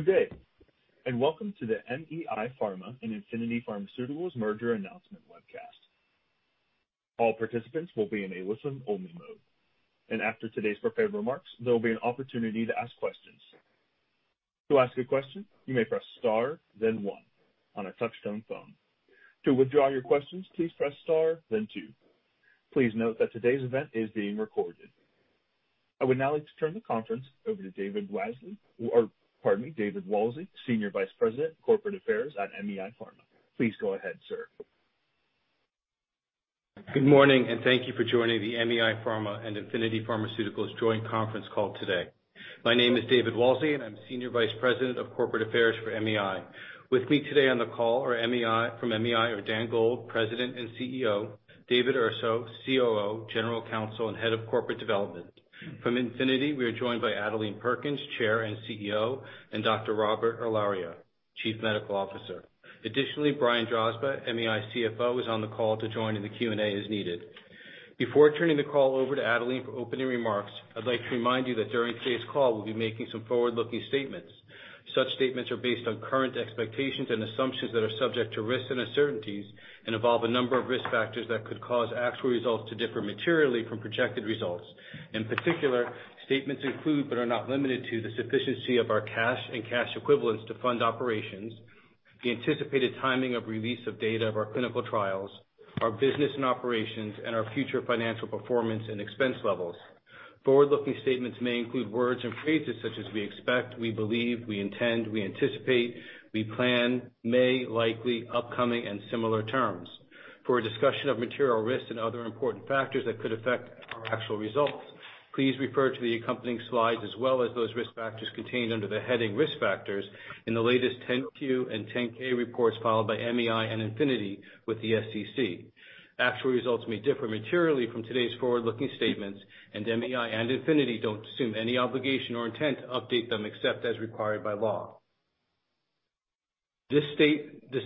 Good day. Welcome to the MEI Pharma and Infinity Pharmaceuticals merger announcement webcast. All participants will be in a listen-only mode, and after today's prepared remarks, there'll be an opportunity to ask questions. To ask a question, you may press star then one on a touchtone phone. To withdraw your questions, please press star then two. Please note that today's event is being recorded. I would now like to turn the conference over to David Wessberg, or pardon me, David Wessberg, Senior Vice President, Corporate Affairs at MEI Pharma. Please go ahead, sir. Good morning. Thank you for joining the MEI Pharma and Infinity Pharmaceuticals joint conference call today. My name is David Wessberg, and I'm Senior Vice President of Corporate Affairs for MEI. With me today on the call are MEI, from MEI are Dan Gold, President and CEO, David Urso, COO, General Counsel, and Head of Corporate Development. From Infinity, we are joined by Adelene Perkins, Chair and CEO, and Dr. Robert Ilaria, Chief Medical Officer. Additionally, Brian Drazba, MEI CFO, is on the call to join in the Q&A as needed. Before turning the call over to Adelene for opening remarks, I'd like to remind you that during today's call, we'll be making some forward-looking statements. Such statements are based on current expectations and assumptions that are subject to risks and uncertainties and involve a number of risk factors that could cause actual results to differ materially from projected results. In particular, statements include, but are not limited to, the sufficiency of our cash and cash equivalents to fund operations, the anticipated timing of release of data of our clinical trials, our business and operations, and our future financial performance and expense levels. Forward-looking statements may include words and phrases such as "we expect," "we believe," "we intend," "we anticipate," "we plan," "may," "likely," "upcoming," and similar terms. For a discussion of material risks and other important factors that could affect our actual results, please refer to the accompanying slides as well as those risk factors contained under the heading Risk Factors in the latest 10-Q and 10-K reports filed by MEI and Infinity with the SEC. Actual results may differ materially from today's forward-looking statements, MEI and Infinity don't assume any obligation or intent to update them except as required by law. The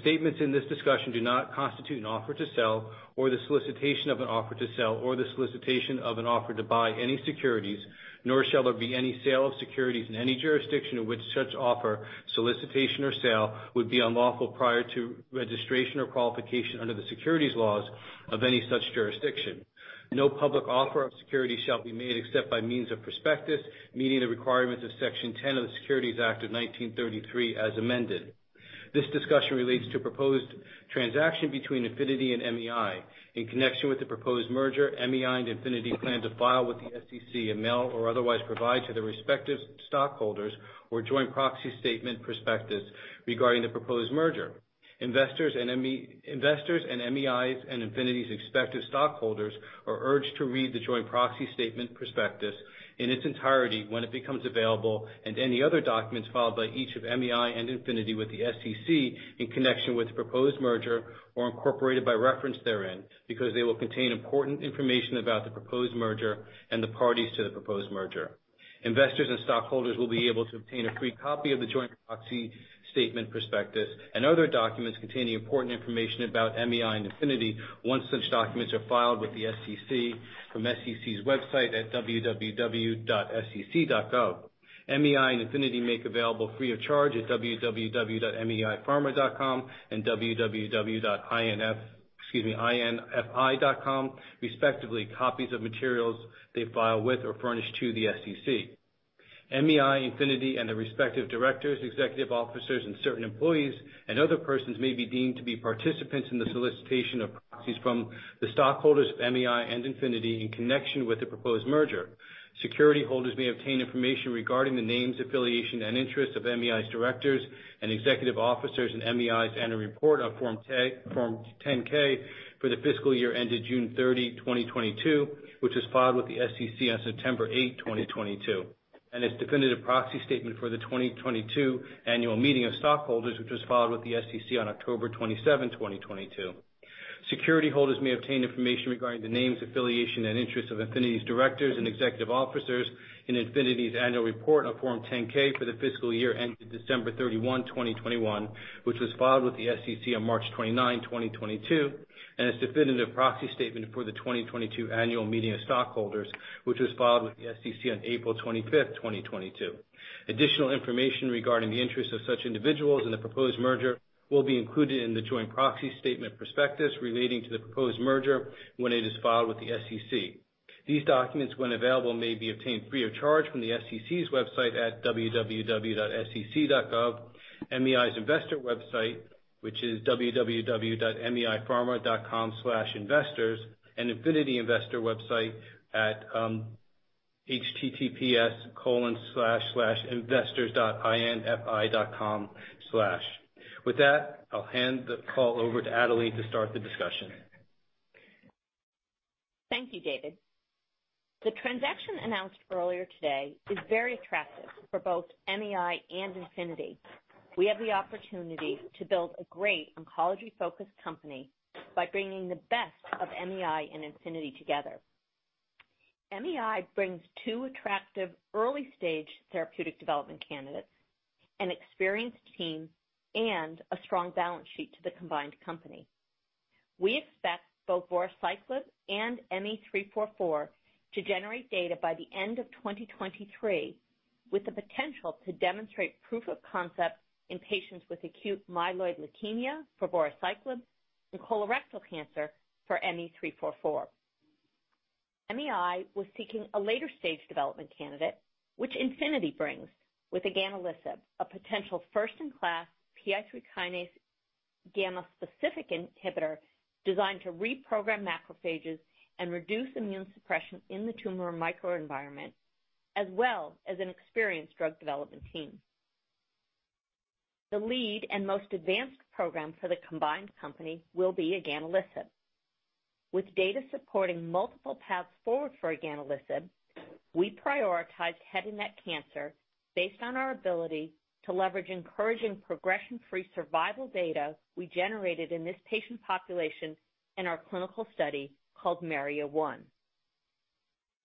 statements in this discussion do not constitute an offer to sell or the solicitation of an offer to sell or the solicitation of an offer to buy any securities, nor shall there be any sale of securities in any jurisdiction in which such offer, solicitation, or sale would be unlawful prior to registration or qualification under the securities laws of any such jurisdiction. No public offer of security shall be made except by means of prospectus, meeting the requirements of Section 10 of the Securities Act of 1933 as amended. This discussion relates to proposed transaction between Infinity and MEI. In connection with the proposed merger, MEI and Infinity plan to file with the SEC and mail or otherwise provide to their respective stockholders or joint proxy statement prospectus regarding the proposed merger. Investors and MEI's and Infinity's expected stockholders are urged to read the joint proxy statement prospectus in its entirety when it becomes available, and any other documents filed by each of MEI and Infinity with the SEC in connection with the proposed merger or incorporated by reference therein, because they will contain important information about the proposed merger and the parties to the proposed merger. Investors and stockholders will be able to obtain a free copy of the joint proxy statement prospectus and other documents containing important information about MEI and Infinity once such documents are filed with the SEC from SEC's website at www.sec.gov. MEI and Infinity make available free of charge at www.meipharma.com and www.infi.com, respectively, copies of materials they file with or furnish to the SEC. MEI, Infinity, and their respective directors, executive officers, and certain employees and other persons may be deemed to be participants in the solicitation of proxies from the stockholders of MEI and Infinity in connection with the proposed merger. Security holders may obtain information regarding the names, affiliation, and interests of MEI's directors and executive officers in MEI's annual report on Form 10, Form 10-K for the fiscal year ended June 30th, 2022, which was filed with the SEC on September 8th, 2022, and its definitive proxy statement for the 2022 annual meeting of stockholders, which was filed with the SEC on October 27th, 2022. Security holders may obtain information regarding the names, affiliation, and interests of Infinity's directors and executive officers in Infinity's annual report on Form 10-K for the fiscal year ended December 31st, 2021, which was filed with the SEC on March 29th, 2022, and its definitive proxy statement for the 2022 annual meeting of stockholders, which was filed with the SEC on April 25th, 2022. Additional information regarding the interests of such individuals in the proposed merger will be included in the joint proxy statement prospectus relating to the proposed merger when it is filed with the SEC. These documents, when available, may be obtained free of charge from the SEC's website at www.sec.gov, MEI's investor website, which is www.meipharma.com/investors, and Infinity investor website at https://investors.infi.com/. With that, I'll hand the call over to Adelene to start the discussion. Thank you, David. The transaction announced earlier today is very attractive for both MEI and Infinity. We have the opportunity to build a great oncology-focused company by bringing the best of MEI and Infinity together. MEI brings two attractive early-stage therapeutic development candidates, an experienced team, and a strong balance sheet to the combined company. We expect both voruciclib and ME-344 to generate data by the end of 2023, with the potential to demonstrate proof of concept in patients with acute myeloid leukemia for voruciclib and colorectal cancer for ME-344. MEI was seeking a later stage development candidate, which Infinity brings with eganelisib, a potential first-in-class PI3K-gamma-specific inhibitor designed to reprogram macrophages and reduce immune suppression in the tumor microenvironment, as well as an experienced drug development team. The lead and most advanced program for the combined company will be eganelisib. With data supporting multiple paths forward for eganelisib, we prioritized head and neck cancer based on our ability to leverage encouraging progression-free survival data we generated in this patient population in our clinical study called MARIO-1.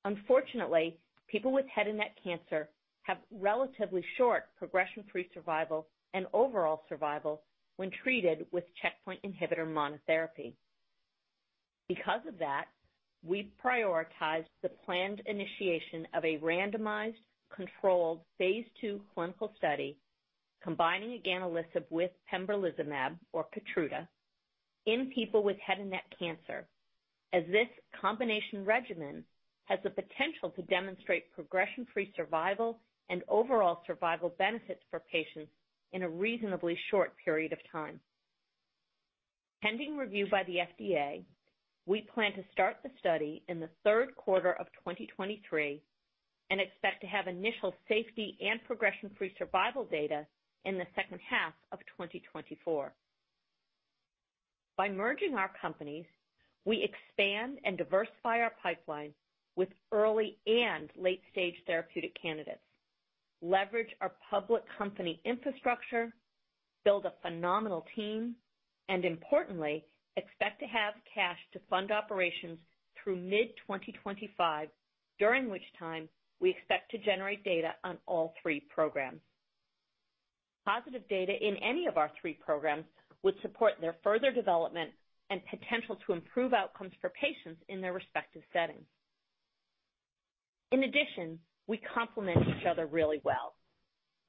Unfortunately, people with head and neck cancer have relatively short progression-free survival and overall survival when treated with checkpoint inhibitor monotherapy. Beacuse of that, we prioritized the planned initiation of a randomized controlled phase II clinical study combining eganelisib with pembrolizumab or Keytruda in people with head and neck cancer, as this combination regimen has the potential to demonstrate progression-free survival and overall survival benefits for patients in a reasonably short period of time. Pending review by the FDA, we plan to start the study in the third quarter of 2023 and expect to have initial safety and progression-free survival data in the second half of 2024. By merging our companies, we expand and diversify our pipeline with early and late-stage therapeutic candidates, leverage our public company infrastructure, build a phenomenal team, and importantly, expect to have cash to fund operations through mid-2025, during which time we expect to generate data on all three programs. Positive data in any of our three programs would support their further development and potential to improve outcomes for patients in their respective settings. In addition, we complement each other really well,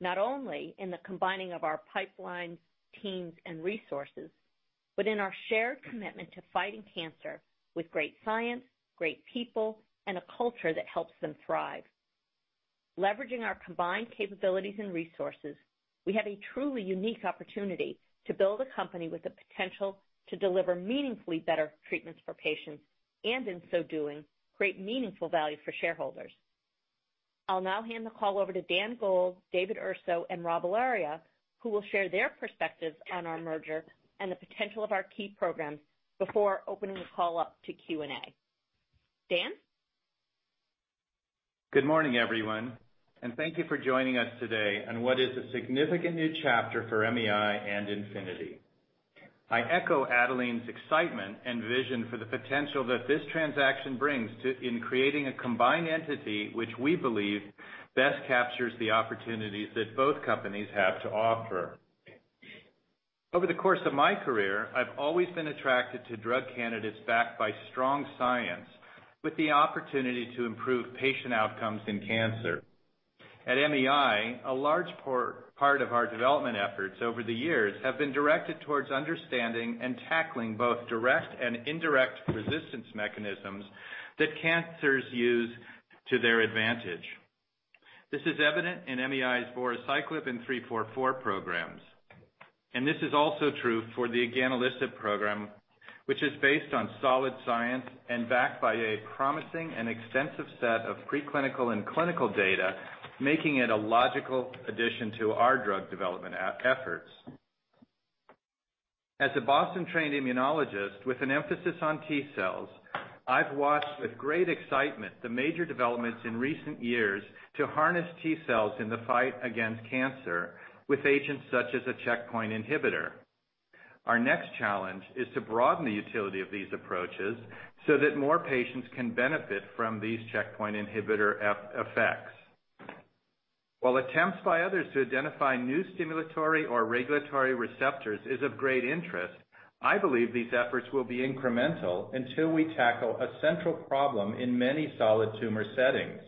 not only in the combining of our pipelines, teams, and resources, but in our shared commitment to fighting cancer with great science, great people, and a culture that helps them thrive. Leveraging our combined capabilities and resources, we have a truly unique opportunity to build a company with the potential to deliver meaningfully better treatments for patients, and in so doing, create meaningful value for shareholders. I'll now hand the call over to Dan Gold, David Urso, and Rob Ilaria, who will share their perspectives on our merger and the potential of our key programs before opening the call up to Q&A. Dan? Good morning, everyone, thank you for joining us today on what is a significant new chapter for MEI and Infinity. I echo Adelene's excitement and vision for the potential that this transaction brings in creating a combined entity which we believe best captures the opportunities that both companies have to offer. Over the course of my career, I've always been attracted to drug candidates backed by strong science with the opportunity to improve patient outcomes in cancer. At MEI, a large part of our development efforts over the years have been directed towards understanding and tackling both direct and indirect resistance mechanisms that cancers use to their advantage. This is evident in MEI's voruciclib and ME-344 programs. This is also true for the eganelisib program, which is based on solid science and backed by a promising and extensive set of preclinical and clinical data, making it a logical addition to our drug development efforts. As a Boston-trained immunologist with an emphasis on T cells, I've watched with great excitement the major developments in recent years to harness T cells in the fight against cancer with agents such as a checkpoint inhibitor. Our next challenge is to broaden the utility of these approaches so that more patients can benefit from these checkpoint inhibitor effects. While attempts by others to identify new stimulatory or regulatory receptors is of great interest, I believe these efforts will be incremental until we tackle a central problem in many solid tumor settings,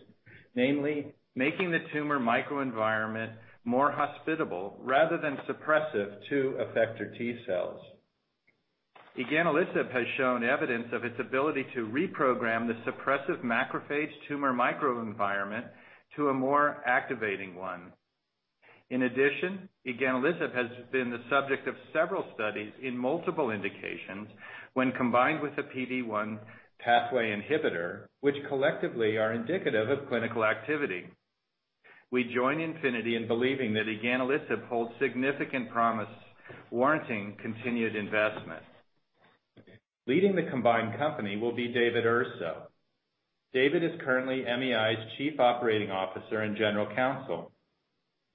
namely making the tumor microenvironment more hospitable rather than suppressive to effector T cells. Eganelisib has shown evidence of its ability to reprogram the suppressive macrophage tumor microenvironment to a more activating one. In addition, eganelisib has been the subject of several studies in multiple indications when combined with a PD-1 pathway inhibitor, which collectively are indicative of clinical activity. We join Infinity in believing that eganelisib holds significant promise warranting continued investment. Leading the combined company will be David Urso. David is currently MEI's Chief Operating Officer and General Counsel.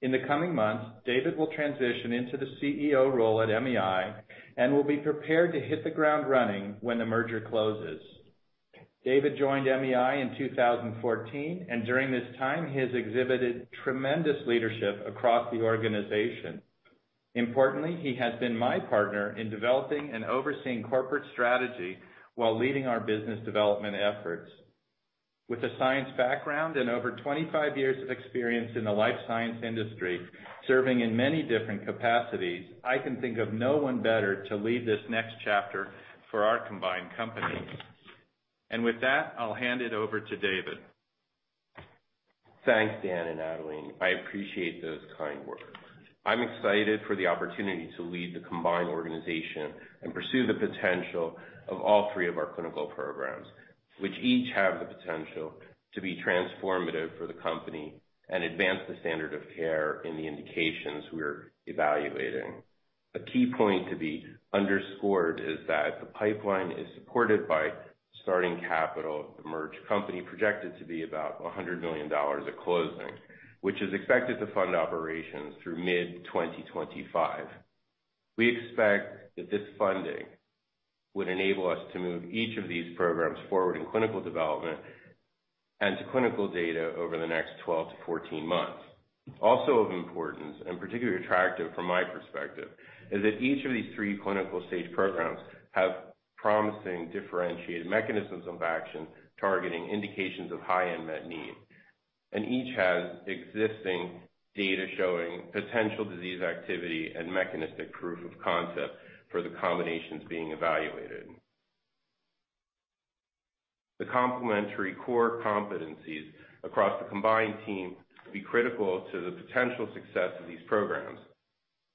In the coming months, David will transition into the CEO role at MEI and will be prepared to hit the ground running when the merger closes. David joined MEI in 2014, and during this time, he has exhibited tremendous leadership across the organization. Importantly, he has been my partner in developing and overseeing corporate strategy while leading our business development efforts. With a science background and over 25 years of experience in the life science industry, serving in many different capacities, I can think of no one better to lead this next chapter for our combined company. With that, I'll hand it over to David. Thanks, Dan and Adelene. I appreciate those kind words. I'm excited for the opportunity to lead the combined organization and pursue the potential of all three of our clinical programs, which each have the potential to be transformative for the company and advance the standard of care in the indications we are evaluating. A key point to be underscored is that the pipeline is supported by starting capital of the merged company, projected to be about $100 million at closing, which is expected to fund operations through mid-2025. We expect that this funding would enable us to move each of these programs forward in clinical development and to clinical data over the next 12 to 14 months. Of importance, and particularly attractive from my perspective, is that each of these three clinical stage programs have promising differentiated mechanisms of action targeting indications of high unmet need, and each has existing data showing potential disease activity and mechanistic proof of concept for the combinations being evaluated. The complementary core competencies across the combined team will be critical to the potential success of these programs.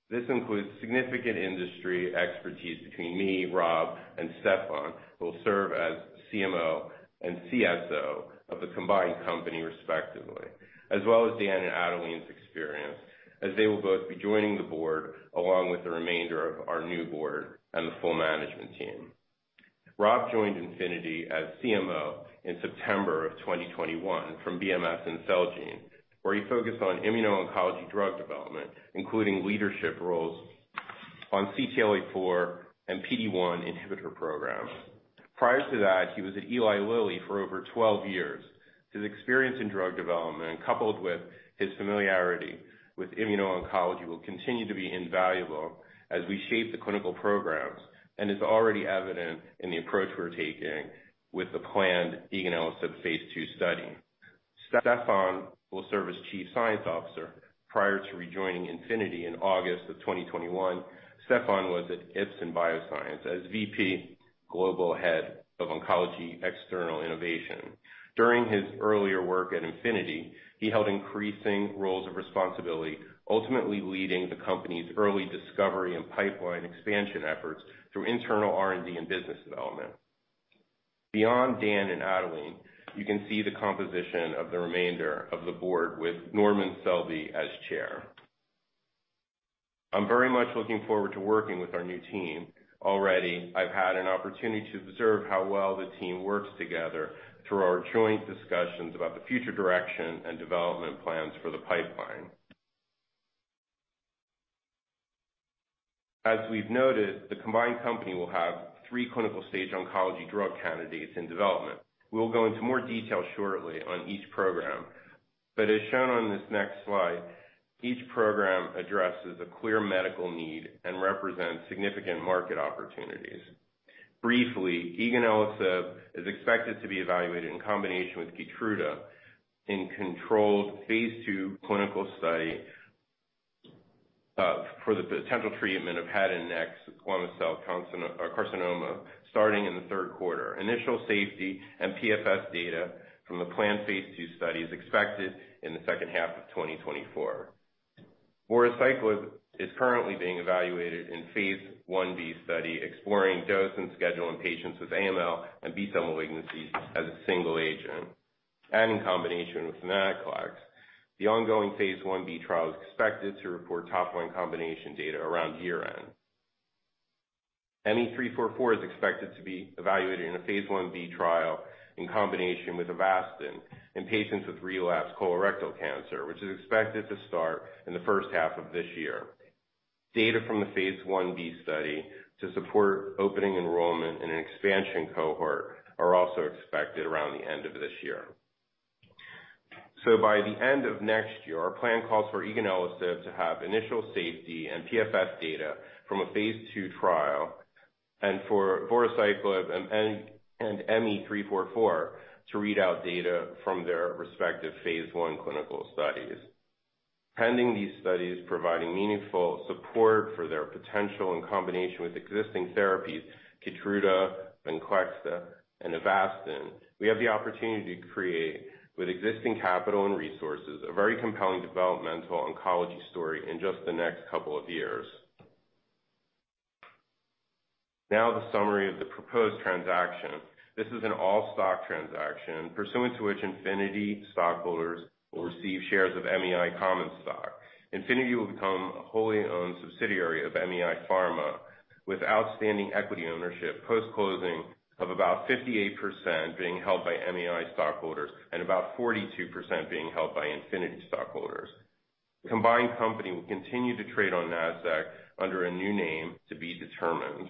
This includes significant industry expertise between me, Rob, and Stéphane, who will serve as CMO and CSO of the combined company respectively, as well as Dan and Adelene's experience, as they will both be joining the board along with the remainder of our new board and the full management team. Rob joined Infinity as CMO in September of 2021 from BMS and Celgene, where he focused on immuno-oncology drug development, including leadership roles on CTLA4 and PD-1 inhibitor programs. Prior to that, he was at Eli Lilly for over 12 years. His experience in drug development, coupled with his familiarity with immuno-oncology, will continue to be invaluable as we shape the clinical programs and is already evident in the approach we're taking with the planned eganelisib phase II study. Stéphane will serve as Chief Science Officer. Prior to rejoining Infinity in August of 2021, Stéphane was at Ipsen Bioscience as VP Global Head of Oncology External Innovation. During his earlier work at Infinity, he held increasing roles of responsibility, ultimately leading the company's early discovery and pipeline expansion efforts through internal R&D and business development. Beyond Dan and Adelene, you can see the composition of the remainder of the board with Norman Selby as chair. I'm very much looking forward to working with our new team. Already, I've had an opportunity to observe how well the team works together through our joint discussions about the future direction and development plans for the pipeline. As we've noted, the combined company will have three clinical-stage oncology drug candidates in development. We'll go into more detail shortly on each program, but as shown on this next slide, each program addresses a clear medical need and represents significant market opportunities. Briefly, eganelisib is expected to be evaluated in combination with Keytruda in controlled phase II clinical study for the potential treatment of head and neck squamous cell carcinoma starting in the third quarter. Initial safety and PFS data from the planned phase II study is expected in the second half of 2024. Voruciclib is currently being evaluated in phase Ib study, exploring dose and schedule in patients with AML and B-cell malignancies as a single agent and in combination with venetoclax. The ongoing phase Ib trial is expected to report top line combination data around year-end. ME-344 is expected to be evaluated in a phase Ib trial in combination with Avastin in patients with relapsed colorectal cancer, which is expected to start in the first half of this year. Data from the phase Ib study to support opening enrollment in an expansion cohort are also expected around the end of this year. By the end of next year, our plan calls for eganelisib to have initial safety and PFS data from a phase II trial and for voruciclib and ME-344 to read out data from their respective phase I clinical studies. Pending these studies providing meaningful support for their potential in combination with existing therapies, Keytruda, Venclexta, and Avastin, we have the opportunity to create, with existing capital and resources, a very compelling developmental oncology story in just the next couple of years. The summary of the proposed transaction. This is an all-stock transaction pursuant to which Infinity stockholders will receive shares of MEI common stock. Infinity will become a wholly owned subsidiary of MEI Pharma with outstanding equity ownership post-closing of about 58% being held by MEI stockholders and about 42% being held by Infinity stockholders. Combined company will continue to trade on Nasdaq under a new name to be determined.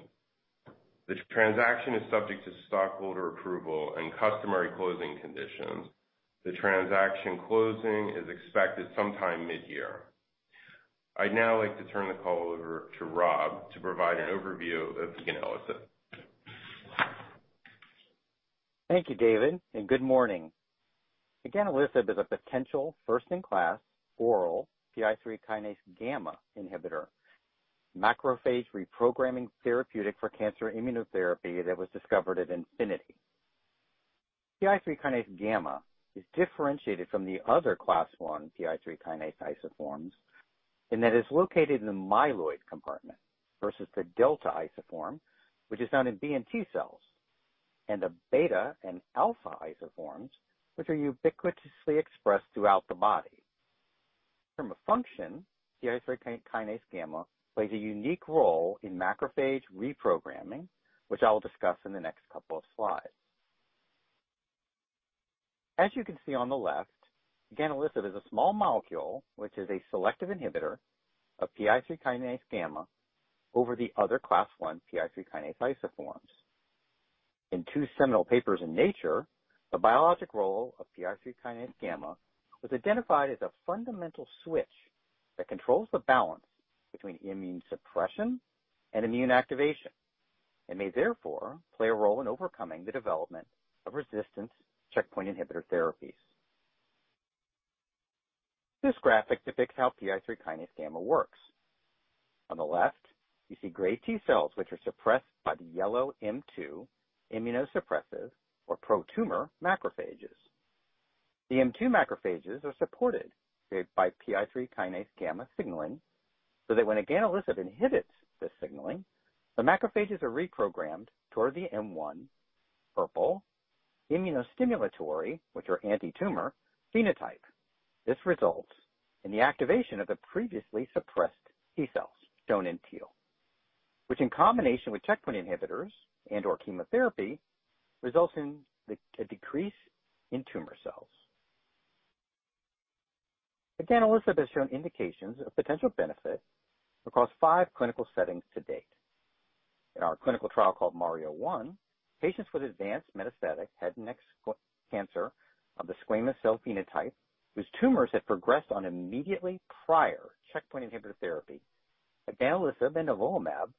The transaction is subject to stockholder approval and customary closing conditions. The transaction closing is expected sometime mid-year. I'd now like to turn the call over to Rob to provide an overview of the eganelisib. Thank you, David. Good morning. Again, eganelisib is a potential first-in-class oral PI3K-gamma inhibitor macrophage reprogramming therapeutic for cancer immunotherapy that was discovered at Infinity Pharmaceuticals. PI3K-gamma is differentiated from the other Class I PI3K isoforms and that is located in the myeloid compartment versus the delta isoform, which is found in B and T cells, and the beta and alpha isoforms which are ubiquitously expressed throughout the body. From a function, PI3K-gamma plays a unique role in macrophage reprogramming, which I will discuss in the next couple of slides. As you can see on the left, eganelisib is a small molecule which is a selective inhibitor of PI3K-gamma over the other Class I PI3K isoforms. In two seminal papers in Nature, the biologic role of PI3 kinase gamma was identified as a fundamental switch that controls the balance between immune suppression and immune activation, may therefore play a role in overcoming the development of resistance checkpoint inhibitor therapies. This graphic depicts how PI3 kinase gamma works. On the left, you see gray T cells, which are suppressed by the yellow M2 immunosuppressive or pro-tumor macrophages. The M2 macrophages are supported by PI3 kinase gamma signaling, so that when eganelisib inhibits this signaling, the macrophages are reprogrammed toward the M1 purple immunostimulatory, which are anti-tumor phenotype. This results in the activation of the previously suppressed T cells shown in teal, which in combination with checkpoint inhibitors and/or chemotherapy, results in a decrease in tumor cells. Eganelisib has shown indications of potential benefit across five clinical settings to date. In our clinical trial called MARIO-1, patients with advanced metastatic head and neck cancer of the squamous cell phenotype, whose tumors had progressed on immediately prior checkpoint inhibitor therapy, eganelisib and nivolumab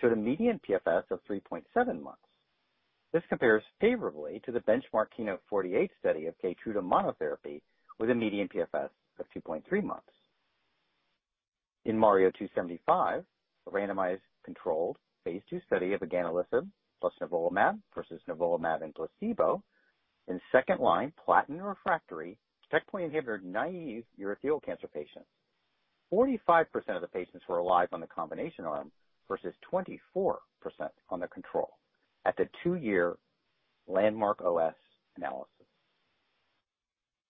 showed a median PFS of 3.7 months. This compares favorably to the benchmark KEYNOTE-048 study of Keytruda monotherapy with a median PFS of 2.3 months. In MARIO-275, a randomized controlled phase II study of eganelisib plus nivolumab versus nivolumab and placebo in second line platinum refractory checkpoint inhibitor naive urothelial cancer patients. 45% of the patients were alive on the combination arm versus 24% on the control at the two-year landmark OS analysis.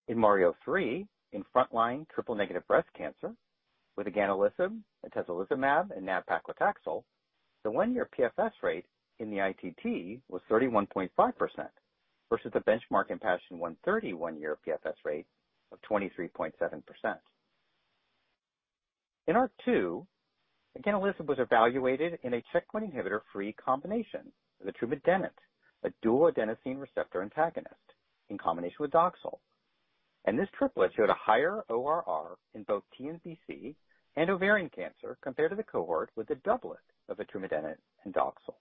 In MARIO-3, in front line triple negative breast cancer with eganelisib and atezolizumab and nab-paclitaxel, the one-year PFS rate in the ITT was 31.5% versus the benchmark IMpassion130 one-year PFS rate of 23.7%. In R2, eganelisib was evaluated in a checkpoint inhibitor-free combination with etrumadenant, a dual adenosine receptor antagonist in combination with Doxil, and this triplet showed a higher ORR in both TNBC and ovarian cancer compared to the cohort with a doublet of etrumadenant and Doxil.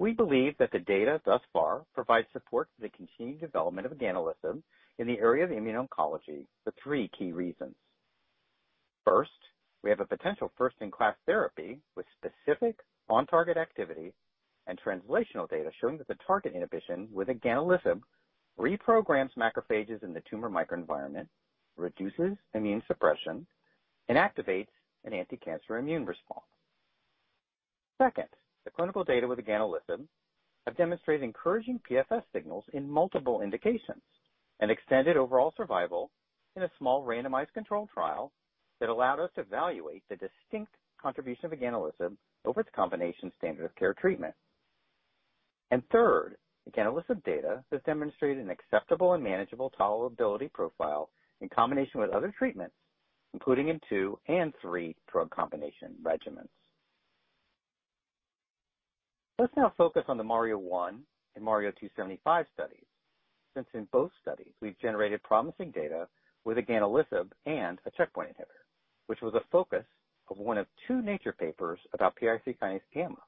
We believe that the data thus far provides support for the continued development of eganelisib in the area of immuno-oncology for three key reasons. First, we have a potential first in class therapy with specific on-target activity and translational data showing that the target inhibition with eganelisib reprograms macrophages in the tumor microenvironment, reduces immune suppression, and activates an anticancer immune response. Second, the clinical data with eganelisib have demonstrated encouraging PFS signals in multiple indications and extended overall survival in a small randomized controlled trial that allowed us to evaluate the distinct contribution of eganelisib over its combination standard of care treatment. Third, eganelisib data has demonstrated an acceptable and manageable tolerability profile in combination with other treatments, including in two and three drug combination regimens. Let's now focus on the MARIO-1 and MARIO-275 studies. In both studies we've generated promising data with eganelisib and a checkpoint inhibitor, which was a focus of one of two Nature papers about PI3K-gamma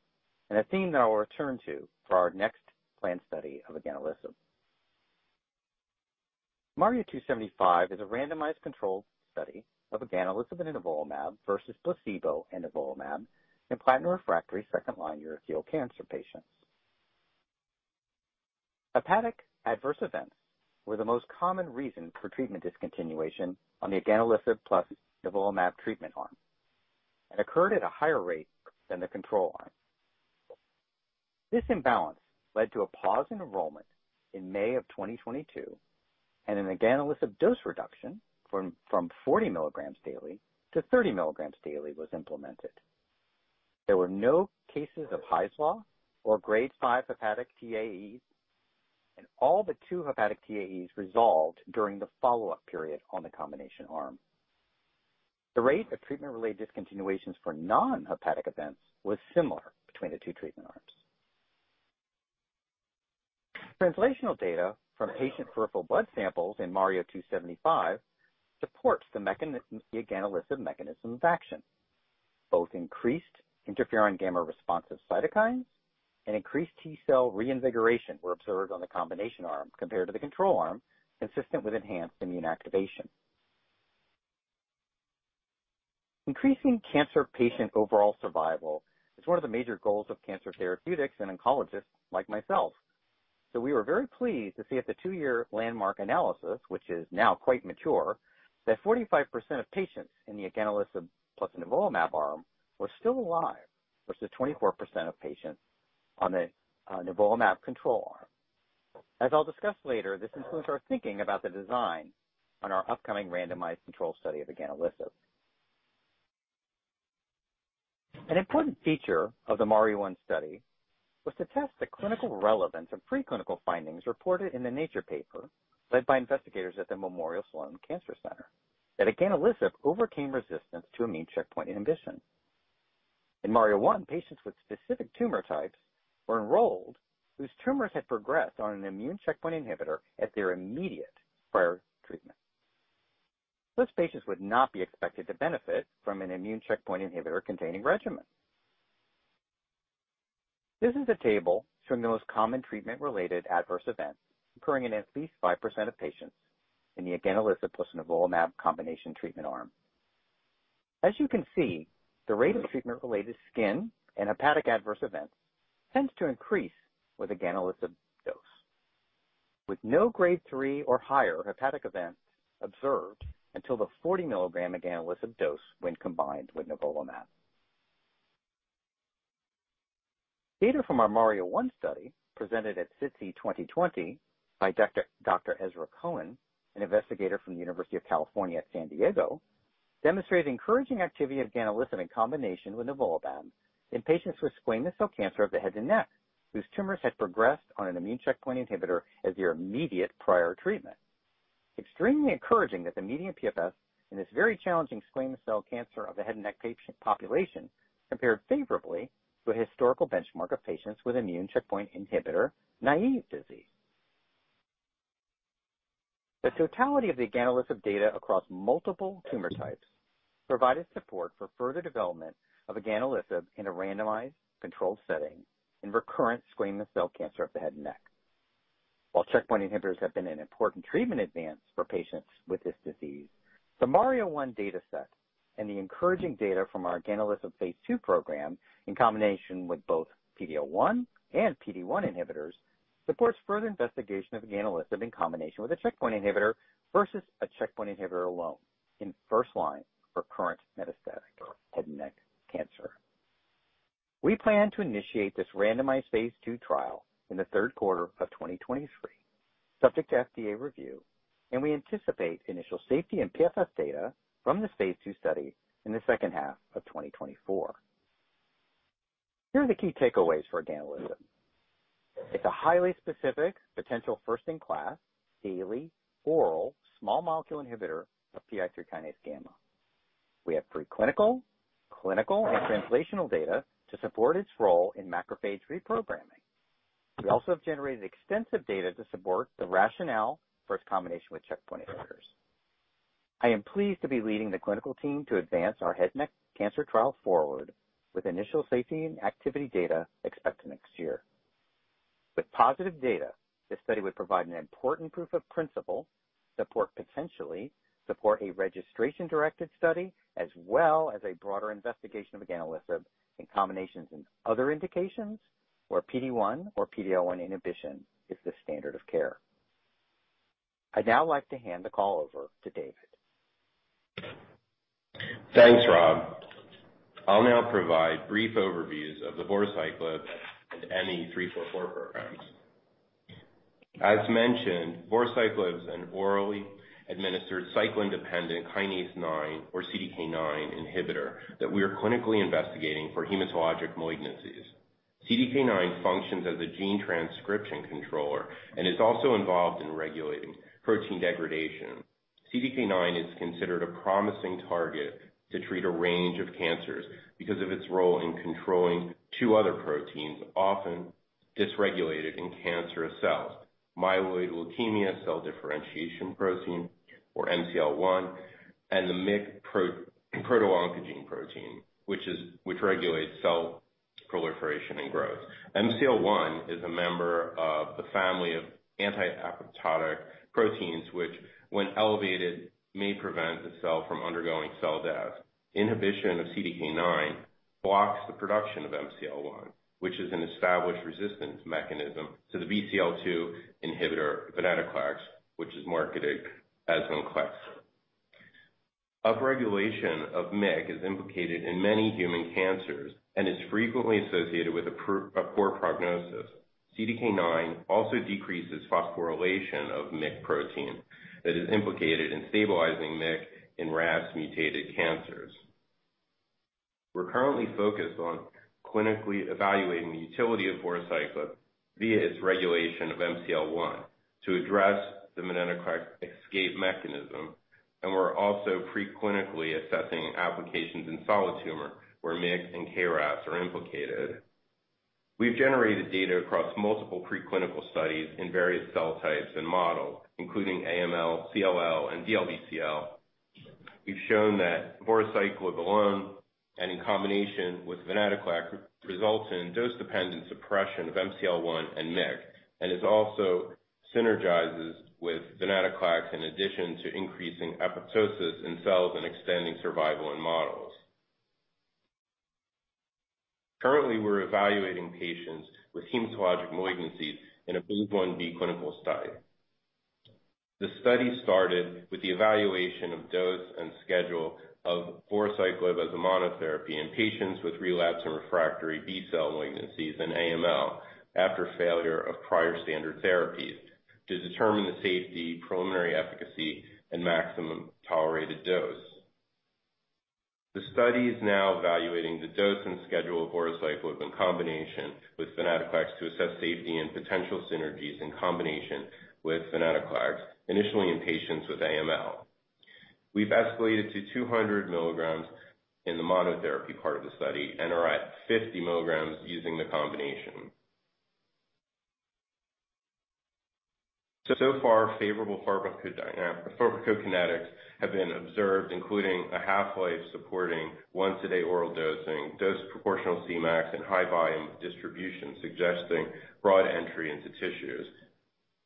and a theme that I will return to for our next planned study of eganelisib. MARIO-275 is a randomized controlled study of eganelisib and nivolumab versus placebo and nivolumab in platinum refractory second-line urothelial cancer patients. Hepatic adverse events were the most common reason for treatment discontinuation on the eganelisib plus nivolumab treatment arm and occurred at a higher rate than the control arm. This imbalance led to a pause in enrollment in May 2022 and an eganelisib dose reduction from 40 milligrams daily to 30 milligrams daily was implemented. There were no cases of Hy's Law or grade five hepatic TAEs. All the two hepatic TAEs resolved during the follow-up period on the combination arm. The rate of treatment-related discontinuations for non-hepatic events was similar between the two treatment arms. Translational data from patient peripheral blood samples in MARIO-275 supports the mechanism, the eganelisib mechanism of action. Both increased Interferon gamma responsive cytokines and increased T cell reinvigoration were observed on the combination arm compared to the control arm, consistent with enhanced immune activation. Increasing cancer patient overall survival is one of the major goals of cancer therapeutics and oncologists like myself. We were very pleased to see at the two-year landmark analysis, which is now quite mature, that 45% of patients in the eganelisib plus nivolumab arm were still alive, versus 24% of patients on the nivolumab control arm. As I'll discuss later, this includes our thinking about the design on our upcoming randomized control study of eganelisib. An important feature of the MARIO-1 study was to test the clinical relevance of preclinical findings reported in the Nature paper, led by investigators at the Memorial Sloan Kettering Cancer Center, that eganelisib overcame resistance to immune checkpoint inhibition. MARIO-1, patients with specific tumor types were enrolled, whose tumors had progressed on an immune checkpoint inhibitor at their immediate prior treatment. Those patients would not be expected to benefit from an immune checkpoint inhibitor-containing regimen. This is a table showing the most common treatment-related adverse events occurring in at least 5% of patients in the eganelisib plus nivolumab combination treatment arm. You can see, the rate of treatment-related skin and hepatic adverse events tends to increase with eganelisib dose, with no grade three or higher hepatic event observed until the 40-milligram eganelisib dose when combined with nivolumab. Data from our MARIO-1 study presented at SITC 2020 by Dr. Ezra Cohen, an investigator from the University of California, San Diego, demonstrated encouraging activity of eganelisib in combination with nivolumab in patients with squamous cell cancer of the head and neck, whose tumors had progressed on an immune checkpoint inhibitor as their immediate prior treatment. Extremely encouraging that the median PFS in this very challenging squamous cell cancer of the head and neck patient population compared favorably to a historical benchmark of patients with immune checkpoint inhibitor-naive disease. The totality of the eganelisib data across multiple tumor types provided support for further development of eganelisib in a randomized, controlled setting in recurrent squamous cell cancer of the head and neck. While checkpoint inhibitors have been an important treatment advance for patients with this disease, the MARIO-1 data set and the encouraging data from our eganelisib phase II program in combination with both PD-L1 and PD-1 inhibitors supports further investigation of eganelisib in combination with a checkpoint inhibitor versus a checkpoint inhibitor alone in first-line recurrent metastatic head and neck cancer. We plan to initiate this randomized phase II trial in the third quarter of 2023, subject to FDA review, and we anticipate initial safety and PFS data from the phase II study in the second half of 2024. Here are the key takeaways for eganelisib. It's a highly specific, potential first in class, daily, oral, small molecule inhibitor of PI3K-gamma. We have preclinical, clinical, and translational data to support its role in macrophage reprogramming. We also have generated extensive data to support the rationale for its combination with checkpoint inhibitors. I am pleased to be leading the clinical team to advance our head and neck cancer trial forward with initial safety and activity data expected next year. With positive data, this study would provide an important proof of principle, potentially support a registration-directed study, as well as a broader investigation of eganelisib in combinations in other indications where PD-1 or PD-L1 inhibition is the standard of care. I'd now like to hand the call over to David. Thanks, Rob. I'll now provide brief overviews of the voruciclib and ME-344 programs. As mentioned, voruciclib is an orally administered cyclin-dependent kinase 9 or CDK9 inhibitor that we are clinically investigating for hematologic malignancies. CDK9 functions as a gene transcription controller and is also involved in regulating protein degradation. CDK9 is considered a promising target to treat a range of cancers because of its role in controlling two other proteins, often dysregulated in cancerous cells, myeloid leukemia cell differentiation protein, or Mcl-1, and the Myc proto-oncogene protein, which regulates cell proliferation and growth. Mcl-1 is a member of the family of anti-apoptotic proteins, which when elevated, may prevent the cell from undergoing cell death. Inhibition of CDK9 blocks the production of Mcl-1, which is an established resistance mechanism to the BCL-2 inhibitor venetoclax, which is marketed as Venclexta. Upregulation of Myc is implicated in many human cancers and is frequently associated with a poor prognosis. CDK9 also decreases phosphorylation of Myc protein that is implicated in stabilizing Myc in RAS-mutated cancers. We're currently focused on clinically evaluating the utility of voruciclib via its regulation of Mcl-1 to address the venetoclax escape mechanism, and we're also pre-clinically assessing applications in solid tumor where Myc and KRAS are implicated. We've generated data across multiple pre-clinical studies in various cell types and models, including AML, CLL, and DLBCL. We've shown that voruciclib alone and in combination with venetoclax results in dose-dependent suppression of Mcl-1 and Myc, and it also synergizes with venetoclax in addition to increasing apoptosis in cells and extending survival in models. Currently, we're evaluating patients with hematologic malignancies in a phase Ib clinical study. The study started with the evaluation of dose and schedule of voruciclib as a monotherapy in patients with relapse and refractory B-cell malignancies in AML after failure of prior standard therapies to determine the safety, preliminary efficacy, and maximum tolerated dose. The study is now evaluating the dose and schedule of voruciclib in combination with venetoclax to assess safety and potential synergies in combination with venetoclax, initially in patients with AML. We've escalated to 200 milligrams in the monotherapy part of the study and are at 50 milligrams using the combination. So far, favorable pharmacokinetics have been observed, including a half-life supporting once-a-day oral dosing, dose proportional Cmax, and high volume distribution, suggesting broad entry into tissues.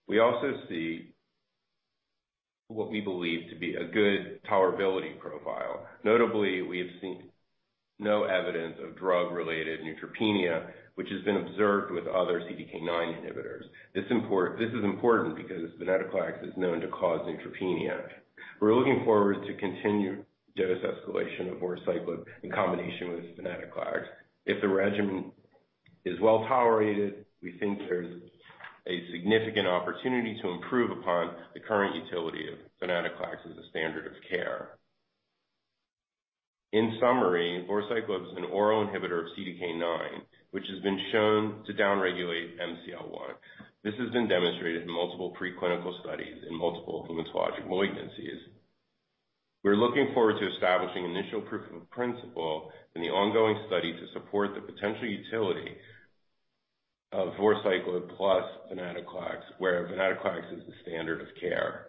We also see what we believe to be a good tolerability profile. Notably, we have seen no evidence of drug-related neutropenia, which has been observed with other CDK9 inhibitors. This is important because venetoclax is known to cause neutropenia. We're looking forward to continued dose escalation of voruciclib in combination with venetoclax. If the regimen is well-tolerated, we think there's a significant opportunity to improve upon the current utility of venetoclax as a standard of care. In summary, voruciclib is an oral inhibitor of CDK9, which has been shown to downregulate Mcl-1. This has been demonstrated in multiple pre-clinical studies in multiple hematologic malignancies. We're looking forward to establishing initial proof of principle in the ongoing study to support the potential utility of voruciclib plus venetoclax, where venetoclax is the standard of care.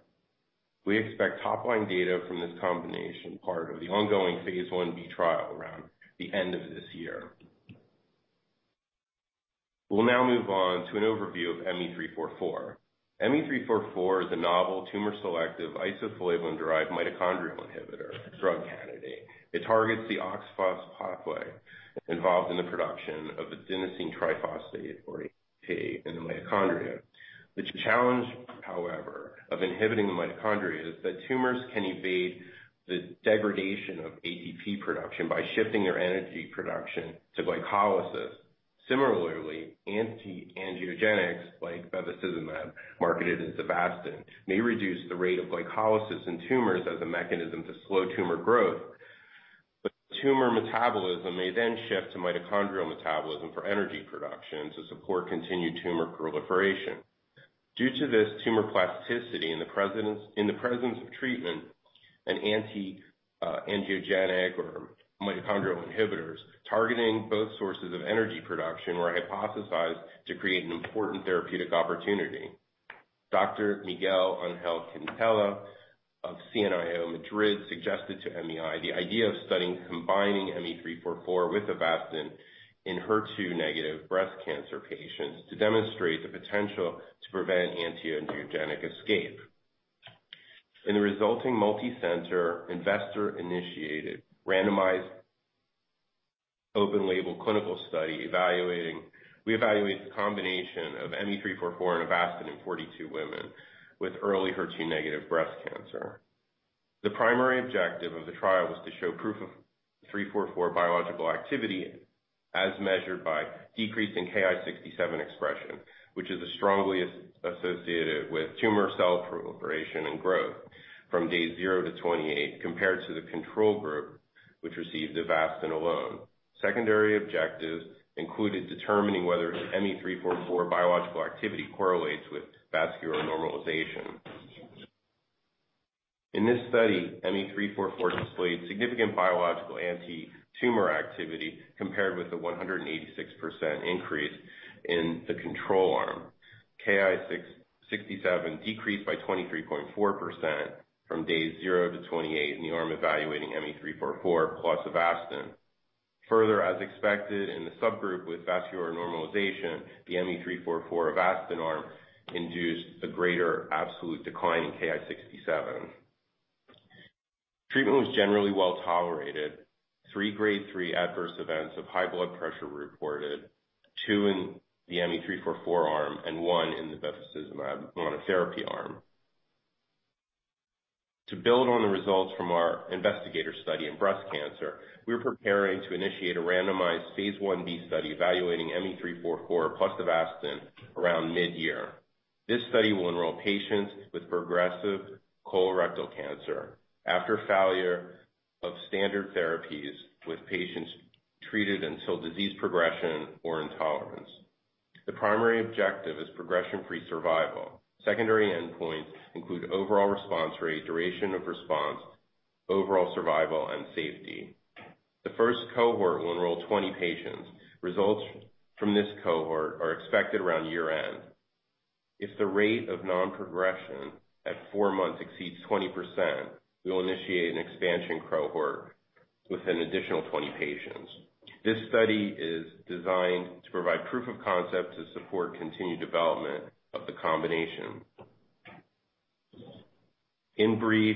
We expect top-line data from this combination part of the ongoing phase Ib trial around the end of this year. We'll now move on to an overview of ME-344. ME-344 is a novel tumor-selective isoflavone-derived mitochondrial inhibitor drug candidate. It targets the OXPHOS pathway involved in the production of adenosine triphosphate, or ATP, in the mitochondria. The challenge, however, of inhibiting the mitochondria is that tumors can evade the degradation of ATP production by shifting their energy production to glycolysis. Similarly, anti-angiogenics like bevacizumab, marketed as Avastin, may reduce the rate of glycolysis in tumors as a mechanism to slow tumor growth. Tumor metabolism may then shift to mitochondrial metabolism for energy production to support continued tumor proliferation. Due to this tumor plasticity in the presence of treatment, an anti-angiogenic or mitochondrial inhibitors targeting both sources of energy production were hypothesized to create an important therapeutic opportunity. Dr. Miguel Ángel Quintela of CNIO Madrid suggested to MEI the idea of studying combining ME-344 with Avastin in HER2-negative breast cancer patients to demonstrate the potential to prevent anti-angiogenic escape. In the resulting multicenter, investor-initiated, randomized, open-label clinical study we evaluated the combination of ME-344 and Avastin in 42 women with early HER2-negative breast cancer. The primary objective of the trial was to show proof of 344 biological activity as measured by decrease in KI67 expression, which is strongly associated with tumor cell proliferation and growth from day zero to 28 compared to the control group, which received Avastin alone. Secondary objectives included determining whether ME-344 biological activity correlates with vascular normalization. In this study, ME-344 displayed significant biological anti-tumor activity compared with the 186% increase in the control arm. KI67 decreased by 23.4% from day zero to 28 in the arm evaluating ME-344 plus Avastin. Further, as expected in the subgroup with vascular normalization, the ME-344 Avastin arm induced a greater absolute decline in KI67. Treatment was generally well-tolerated. Three grade 3 adverse events of high blood pressure were reported, two in the ME-344 arm and one in the bevacizumab monotherapy arm. To build on the results from our investigator study in breast cancer, we're preparing to initiate a randomized phase Ib study evaluating ME-344 plus Avastin around mid-year. This study will enroll patients with progressive colorectal cancer after failure of standard therapies with patients treated until disease progression or intolerance. The primary objective is progression-free survival. Secondary endpoints include overall response rate, duration of response, overall survival, and safety. The first cohort will enroll 20 patients. Results from this cohort are expected around year-end. If the rate of non-progression at four months exceeds 20%, we will initiate an expansion cohort with an additional 20 patients. This study is designed to provide proof of concept to support continued development of the combination. In brief,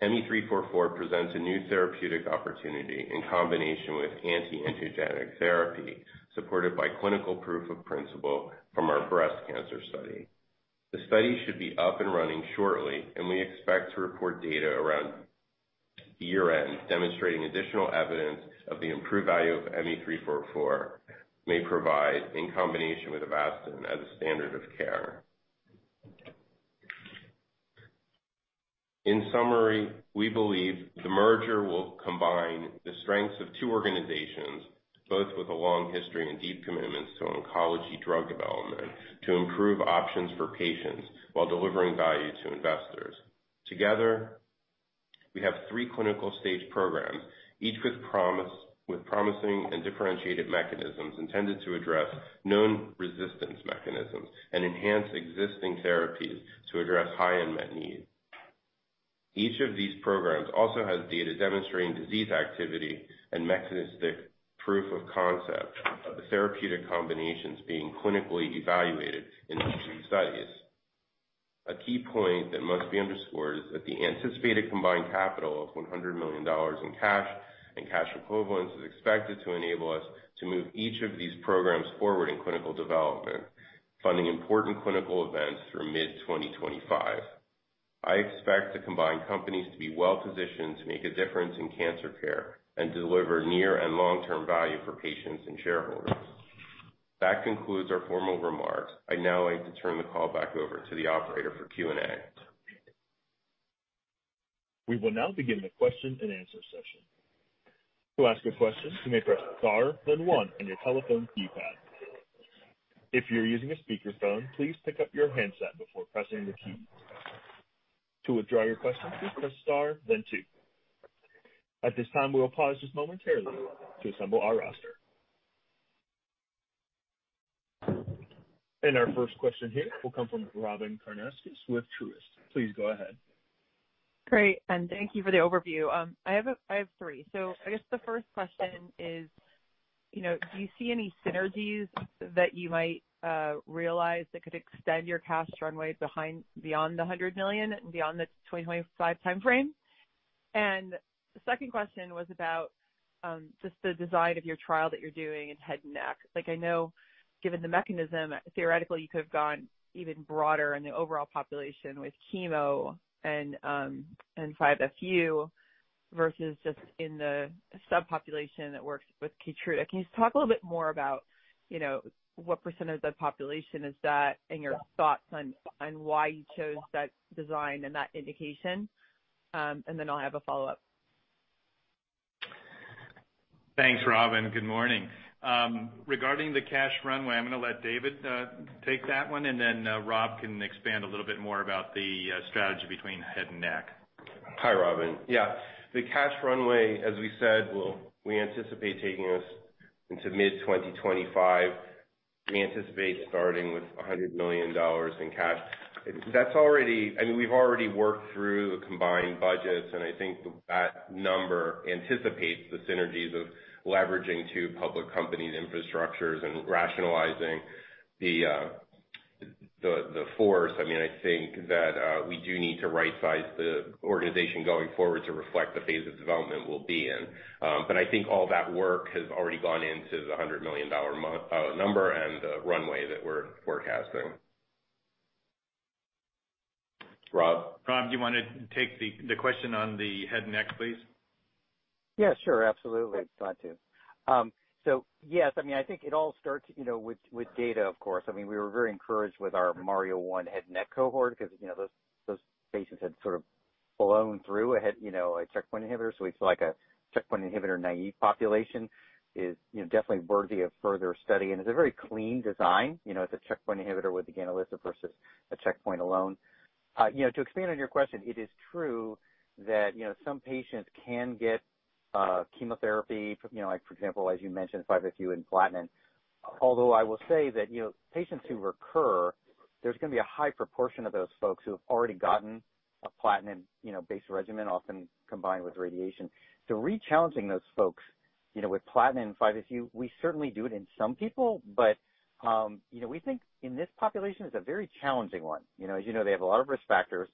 ME-344 presents a new therapeutic opportunity in combination with anti-angiogenic therapy, supported by clinical proof of principle from our breast cancer study. The study should be up and running shortly, and we expect to report data around year-end demonstrating additional evidence of the improved value of ME-344 may provide in combination with Avastin as a standard of care. In summary, we believe the merger will combine the strengths of two organizations, both with a long history and deep commitments to oncology drug development, to improve options for patients while delivering value to investors. Together, we have three clinical stage programs, each with promising and differentiated mechanisms intended to address known resistance mechanisms and enhance existing therapies to address high unmet need. Each of these programs also has data demonstrating disease activity and mechanistic proof of concept of the therapeutic combinations being clinically evaluated in these studies. A key point that must be underscored is that the anticipated combined capital of $100 million in cash and cash equivalents is expected to enable us to move each of these programs forward in clinical development, funding important clinical events through mid-2025. I expect the combined companies to be well-positioned to make a difference in cancer care and deliver near and long-term value for patients and shareholders. That concludes our formal remarks. I'd now like to turn the call back over to the operator for Q&A. We will now begin the Q&A session. To ask a question, you may press star then one on your telephone keypad. If you're using a speakerphone, please pick up your handset before pressing the key. To withdraw your question, please press star then two. At this time, we will pause just momentarily to assemble our roster. Our first question here will come from Robyn Karnauskas with Truist. Please go ahead. Great, thank you for the overview. I have three. I guess the first question is, you know, do you see any synergies that you might realize that could extend your cash runway beyond the $100 million and beyond the 2025 timeframe? The second question was about just the design of your trial that you're doing in head neck. Like, I know, given the mechanism, theoretically, you could have gone even broader in the overall population with chemo and 5-FU versus just in the subpopulation that works with Keytruda. Can you just talk a little bit more about, you know, what perecentage of the population is that and your thoughts on why you chose that design and that indication? I'll have a follow-up. Thanks, Robyn. Good morning. Regarding the cash runway, I'm gonna let David Urso take that one, and then Rob Ilaria can expand a little bit more about the strategy between head and neck. Hi, Robyn. Yeah, the cash runway, as we said, we anticipate taking us into mid-2025. We anticipate starting with $100 million in cash. That's already... I mean, we've already worked through the combined budgets, and I think that number anticipates the synergies of leveraging two public company infrastructures and rationalizing the force. I mean, I think that we do need to right-size the organization going forward to reflect the phase of development we'll be in. But I think all that work has already gone into the $100 million number and the runway that we're forecasting. Rob? Rob, do you want to take the question on the head and neck, please? Sure. Absolutely. Glad to. Yes, I mean, I think it all starts, you know, with data, of course. I mean, we were very encouraged with our MARIO-1 head neck cohort 'cause, you know, those patients had sort of blown through a head, you know, a checkpoint inhibitor, so we feel like a checkpoint inhibitor naive population is, you know, definitely worthy of further study. It's a very clean design, you know, it's a checkpoint inhibitor with eganelisib versus a checkpoint alone. You know, to expand on your question, it is true that, you know, some patients can get chemotherapy from, you know, like, for example, as you mentioned, 5-FU and platinum. Although I will say that, you know, patients who recur, there's gonna be a high proportion of those folks who have already gotten a platinum, you know, base regimen, often combined with radiation. Rechallenging those folks, you know, with platinum 5-FU, we certainly do it in some people, but, you know, we think in this population is a very challenging one. You know, as you know, they have a lot of risk factors.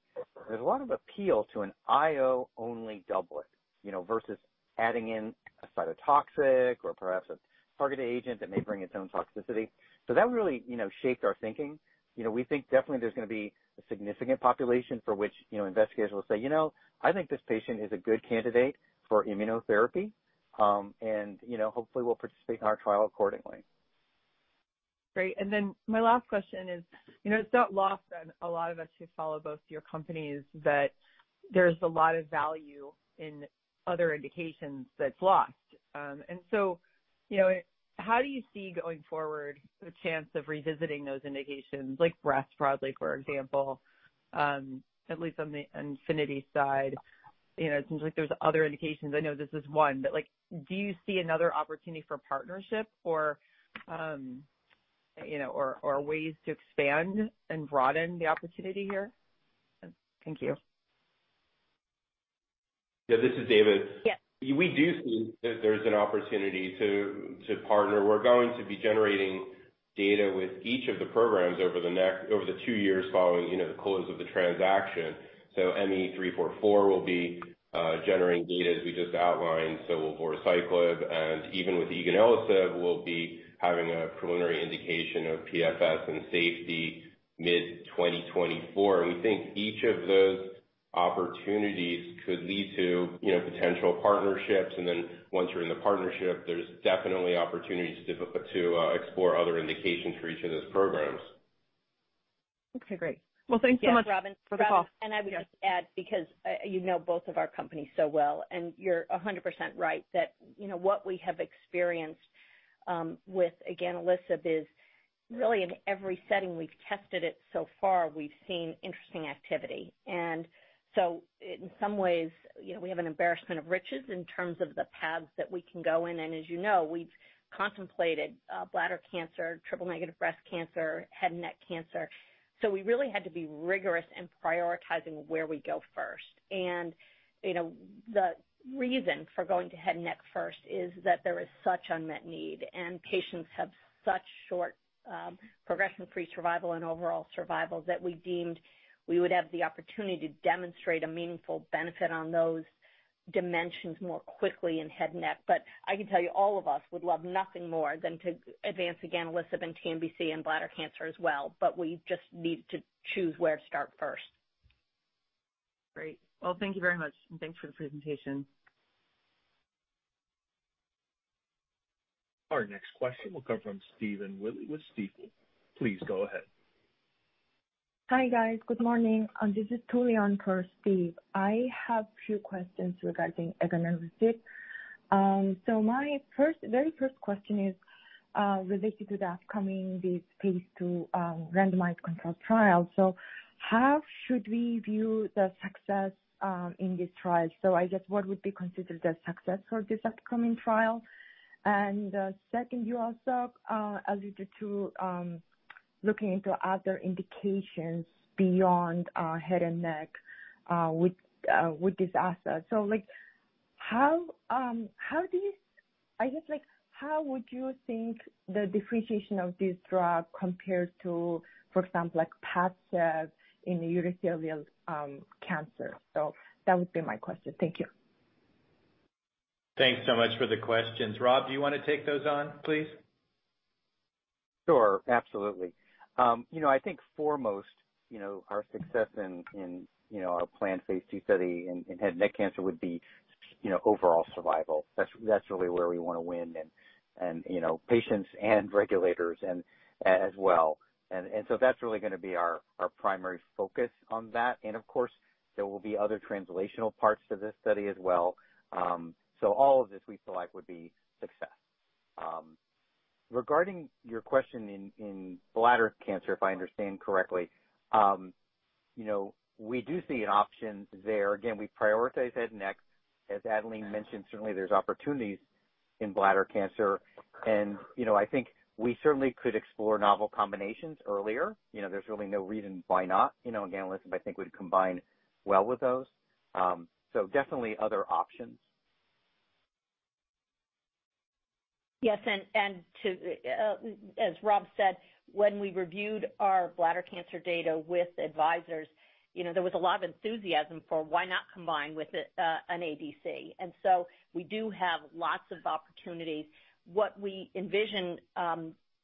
There's a lot of appeal to an IO-only doublet, you know, versus adding in a cytotoxic or perhaps a targeted agent that may bring its own toxicity. That really, you know, shaped our thinking. You know, we think definitely there's gonna be a significant population for which, you know, investigators will say, "You know, I think this patient is a good candidate for immunotherapy." And, you know, hopefully will participate in our trial accordingly. Great. My last question is, you know, it's not lost on a lot of us who follow both your companies that there's a lot of value in other indications that's lost. You know, how do you see going forward the chance of revisiting those indications, like breast, broadly, for example, at least on the Infinity side. You know, it seems like there's other indications. I know this is one, but, like, do you see another opportunity for partnership or, you know, or ways to expand and broaden the opportunity here? Thank you. Yeah, this is David. Yes. We do see that there's an opportunity to partner. We're going to be generating data with each of the programs over the two years following, you know, the close of the transaction. So ME-344 will be generating data as we just outlined. So will voruciclib, and even with eganelisib, we'll be having a preliminary indication of PFS and safety mid-2024. We think each of those opportunities could lead to, you know, potential partnerships. Once you're in the partnership, there's definitely opportunities to explore other indications for each of those programs. Okay, great. Well, thanks so much for the call. Yes, Robyn, I would just add, because, you know, both of our companies so well, and you're 100% right that, you know, what we have experienced with eganelisib is really in every setting we've tested it so far, we've seen interesting activity. In some ways, you know, we have an embarrassment of riches in terms of the paths that we can go in. As you know, we've contemplated bladder cancer, triple-negative breast cancer, head neck cancer. We really had to be rigorous in prioritizing where we go first. You know, the reason for going to head neck first is that there is such unmet need, and patients have such short progression-free survival and overall survival that we deemed we would have the opportunity to demonstrate a meaningful benefit on those dimensions more quickly in head neck. I can tell you, all of us would love nothing more than to advance eganelisib and TNBC and bladder cancer as well. We just need to choose where to start first. Great. Well, thank you very much, and thanks for the presentation. Our next question will come from Stephen Willey with Stifel. Please go ahead. Hi, guys. Good morning. This is Yulian for Stephen. I have a few questions regarding eganelisib. My first, very first question is related to the upcoming this phase II randomized controlled trial. How should we view the success in this trial? I guess what would be considered a success for this upcoming trial? Second, you also alluded to looking into other indications beyond head and neck with with this asset. Like, how do you I guess, like, how would you think the differentiation of this drug compares to, for example, like Padcev in urothelial cancer? That would be my question. Thank you. Thanks so much for the questions. Rob, do you wanna take those on, please? Sure, absolutely. You know, I think foremost, you know, our success in our planned phase II study in head neck cancer would be, you know, overall survival. That's really where we wanna win and, you know, patients and regulators as well. That's really gonna be our primary focus on that. Of course, there will be other translational parts to this study as well. All of this we feel like would be success. Regarding your question in bladder cancer, if I understand correctly, you know, we do see an option there. Again, we prioritize head neck. As Adelene mentioned, certainly there's opportunities in bladder cancer. You know, I think we certainly could explore novel combinations earlier. You know, there's really no reason why not. You know, eganelisib I think would combine well with those. Definitely other options. Yes, and to as Rob said, when we reviewed our bladder cancer data with advisors, you know, there was a lot of enthusiasm for why not combine with an ADC. We do have lots of opportunities. What we envision,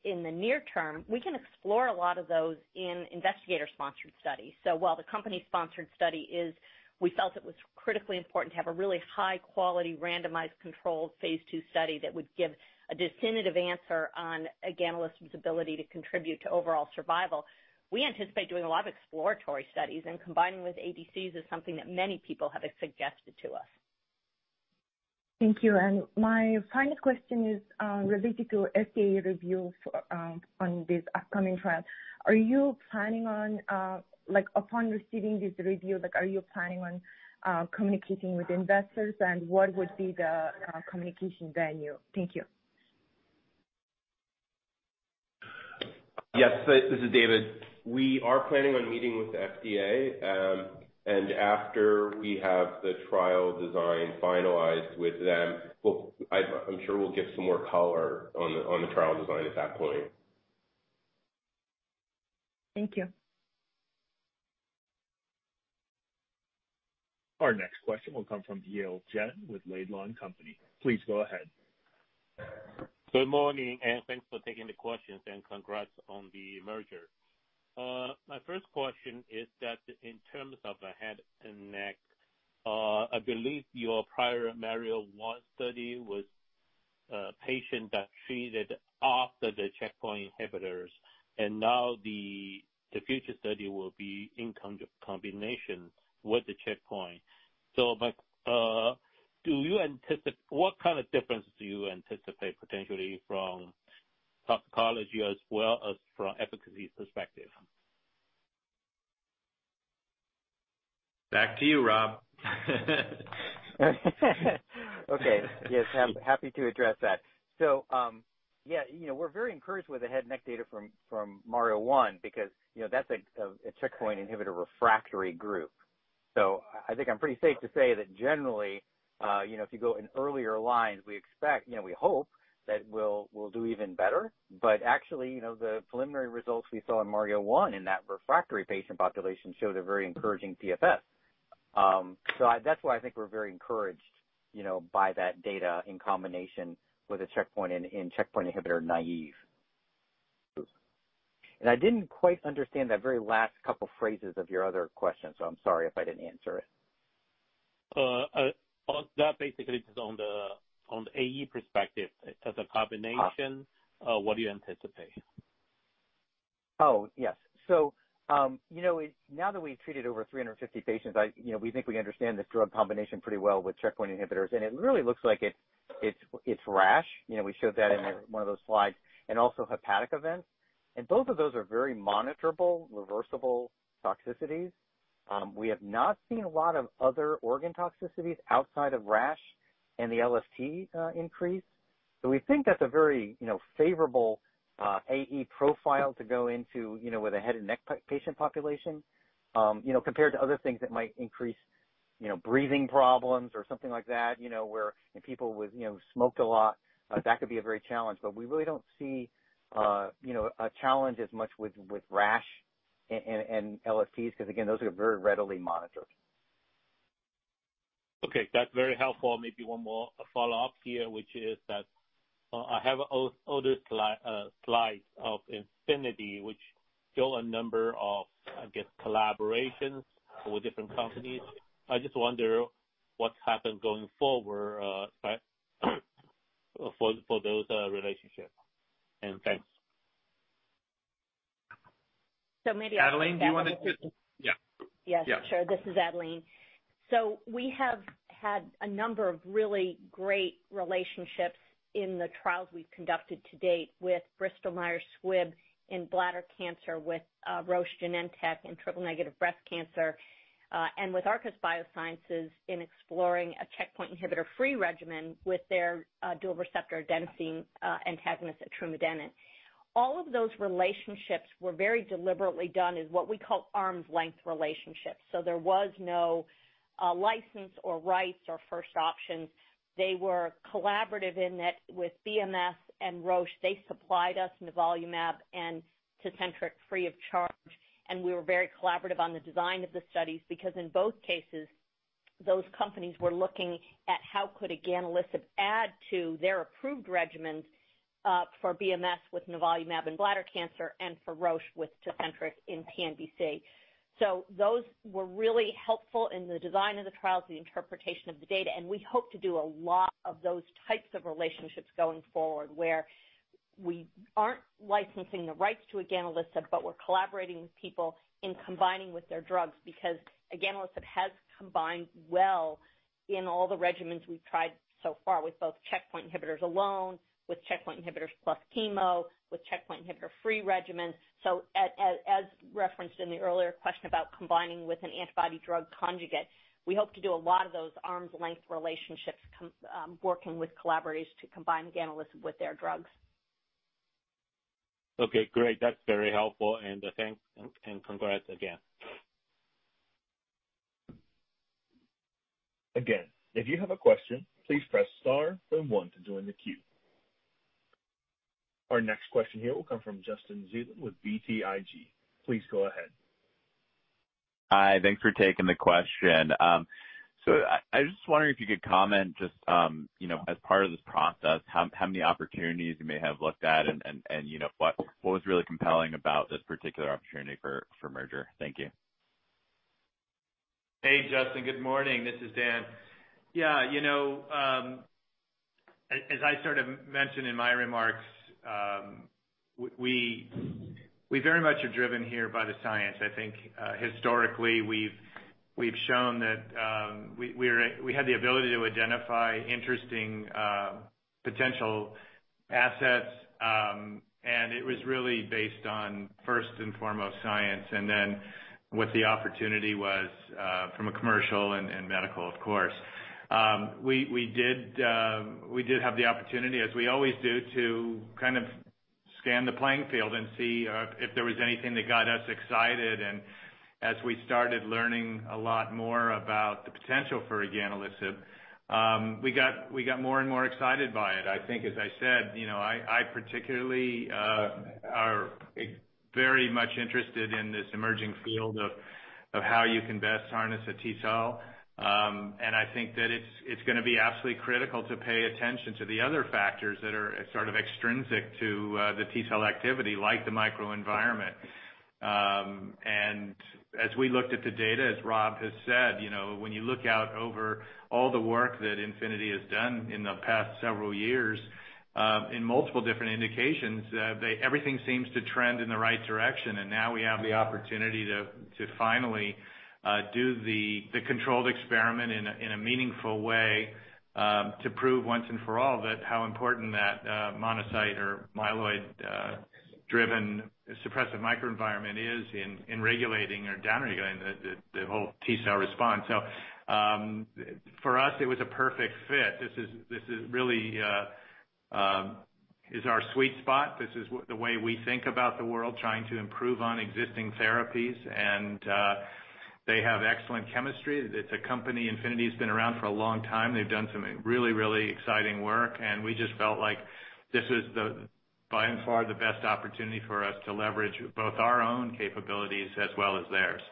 in the near term, we can explore a lot of those in investigator-sponsored studies. While the company-sponsored study is, we felt it was critically important to have a really high-quality, randomized controlled phase II study that would give a definitive answer on eganelisib's ability to contribute to overall survival, we anticipate doing a lot of exploratory studies. Combining with ADCs is something that many people have suggested to us. Thank you. My final question is, related to FDA review for, on this upcoming trial. Are you planning on, like, upon receiving this review, like, are you planning on communicating with investors, and what would be the communication venue? Thank you. Yes. This is David. We are planning on meeting with the FDA. After we have the trial design finalized with them, I'm sure we'll give some more color on the trial design at that point. Thank you. Our next question will come from Yale Jen with Laidlaw & Company. Please go ahead. Good morning. Thanks for taking the questions. Congrats on the merger. My first question is that in terms of the head and neck, I believe your prior MARIO-1 study was patient that treated after the checkpoint inhibitors. Now the future study will be in combination with the checkpoint. What kind of differences do you anticipate potentially from toxicology as well as from efficacy perspective? Back to you, Rob. Yes, I'm happy to address that. Yeah, you know, we're very encouraged with the head neck data from MARIO-1 because, you know, that's a of a checkpoint inhibitor refractory group. I think I'm pretty safe to say that generally, you know, if you go in earlier lines, we expect, you know, we hope that we'll do even better. Actually, you know, the preliminary results we saw in MARIO-1 in that refractory patient population showed a very encouraging PFS. That's why I think we're very encouraged, you know, by that data in combination with a checkpoint in checkpoint inhibitor naive. I didn't quite understand that very last couple phrases of your other question, so I'm sorry if I didn't answer it. That basically is on the, on the AE perspective. As a combination, what do you anticipate? Oh, yes. You know, now that we've treated over 350 patients, you know, we think we understand this drug combination pretty well with checkpoint inhibitors. It really looks like it's rash. You know, we showed that in one of those slides. Also hepatic events, and both of those are very monitorable, reversible toxicities. We have not seen a lot of other organ toxicities outside of rash and the LFT increase. We think that's a very, you know, favorable AE profile to go into, you know, with a head and neck patient population, you know, compared to other things that might increase, you know, breathing problems or something like that, you know, where people with, you know, smoked a lot, that could be a very challenge. we really don't see, you know, a challenge as much with rash and LFTs, 'cause again, those are very readily monitored. Okay. That's very helpful. Maybe one more follow-up here, which is that, I have other slides of Infinity, which show a number of, I guess, collaborations with different companies. I just wonder what happened going forward, for those relationships. Thanks. So maybe I'll- Adelene, do you wanna take... Yeah. Yes. Yeah. Sure. This is Adelene. We have had a number of really great relationships in the trials we've conducted to date with Bristol Myers Squibb in bladder cancer, with Roche Genentech in triple-negative breast cancer, and with Arcus Biosciences in exploring a checkpoint inhibitor-free regimen with their dual receptor adenosine antagonist etrumadenant. All of those relationships were very deliberately done as what we call arm's length relationships. There was no license or rights or first options. They were collaborative in that with BMS and Roche, they supplied us nivolumab and Tecentriq free of charge, and we were very collaborative on the design of the studies because in both cases, those companies were looking at how could eganelisib add to their approved regimens for BMS with nivolumab and bladder cancer and for Roche with Tecentriq in TNBC. Those were really helpful in the design of the trials, the interpretation of the data, and we hope to do a lot of those types of relationships going forward, where we aren't licensing the rights to eganelisib, but we're collaborating with people in combining with their drugs because eganelisib has combined well in all the regimens we've tried so far with both checkpoint inhibitors alone, with checkpoint inhibitors plus chemo, with checkpoint inhibitor-free regimens. As referenced in the earlier question about combining with an antibody drug conjugate, we hope to do a lot of those arm's length relationships working with collaborators to combine eganelisib with their drugs. Okay, great. That's very helpful. Thanks and congrats again. Again, if you have a question, please press star then one to join the queue. Our next question here will come from Justin Zelin with BTIG. Please go ahead. Hi. Thanks for taking the question. I was just wondering if you could comment just, you know, as part of this process, how many opportunities you may have looked at and, you know, what was really compelling about this particular opportunity for merger? Thank you. Hey, Justin. Good morning. This is Dan. Yeah, you know, as I sort of mentioned in my remarks, we very much are driven here by the science. I think, historically, we've shown that we had the ability to identify interesting potential assets, and it was really based on first and foremost science and then what the opportunity was from a commercial and medical, of course. We did have the opportunity, as we always do, to kind of scan the playing field and see if there was anything that got us excited. And as we started learning a lot more about the potential for eganelisib, we got more and more excited by it. I think, as I said, you know, I particularly, are very much interested in this emerging field of how you can best harness a T cell. I think that it's gonna be absolutely critical to pay attention to the other factors that are sort of extrinsic to the T cell activity, like the microenvironment. As we looked at the data, as Rob has said, you know, when you look out over all the work that Infinity has done in the past several years, in multiple different indications, everything seems to trend in the right direction. Now we have the opportunity to finally do the controlled experiment in a meaningful way to prove once and for all that how important that monocyte or myeloid driven suppressive microenvironment is in regulating or down-regulating the whole T cell response. For us, it was a perfect fit. This is really is our sweet spot. This is the way we think about the world, trying to improve on existing therapies and they have excellent chemistry. It's a company, Infinity's been around for a long time. They've done some really, really exciting work, and we just felt like this was the, by and far, the best opportunity for us to leverage both our own capabilities as well as theirs.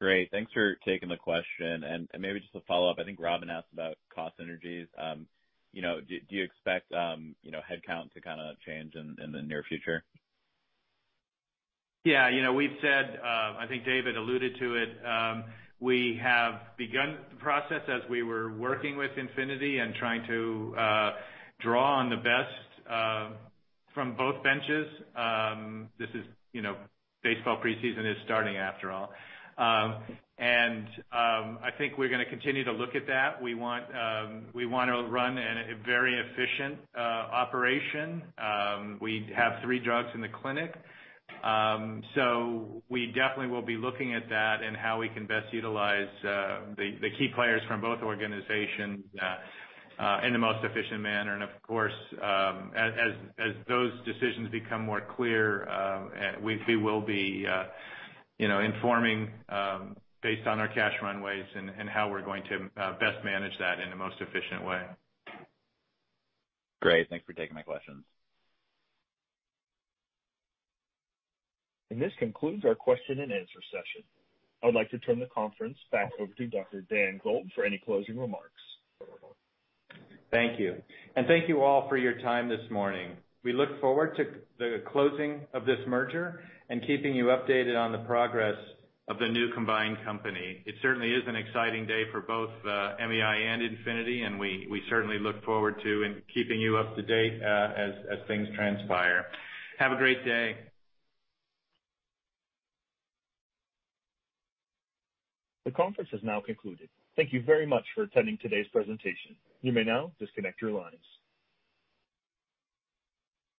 Great. Thanks for taking the question. Maybe just a follow-up. I think Robyn asked about cost synergies. You know, do you expect, you know, headcount to kind of change in the near future? Yeah. You know, we've said, I think David alluded to it. We have begun the process as we were working with Infinity and trying to draw on the best from both benches. This is, you know, baseball preseason is starting after all. I think we're gonna continue to look at that. We want, we wanna run a very efficient operation. We have three drugs in the clinic, so we definitely will be looking at that and how we can best utilize the key players from both organizations in the most efficient manner. Of course, as those decisions become more clear, we will be, you know, informing, based on our cash runways and how we're going to, best manage that in the most efficient way. Great. Thanks for taking my questions. This concludes our question and answer session. I would like to turn the conference back over to Dr. Daniel Gold for any closing remarks. Thank you and thank you all for your time this morning. We look forward to the closing of this merger and keeping you updated on the progress of the new combined company. It certainly is an exciting day for both MEI and Infinity, and we certainly look forward to in keeping you up to date as things transpire. Have a great day. The conference has now concluded. Thank you very much for attending today's presentation. You may now disconnect your lines.